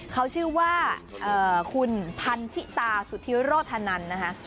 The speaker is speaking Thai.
เขาชื่อว่าคุณพันธิตาสุธิโรธนันนะคะ